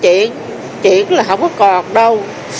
chuyển là không có còn đâu